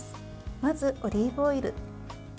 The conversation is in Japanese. まず、オリーブオイル。